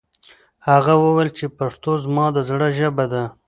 هغه وویل چې پښتو زما د زړه ژبه ده.